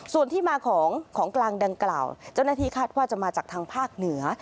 ส่วนที่มาของของกลางดังกล่าวเจ้าหน้าที่คาดว่าจะมาจากทางภาคเหนือ